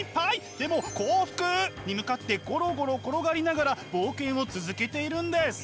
でも幸福に向かってゴロゴロ転がりながら冒険を続けているんです。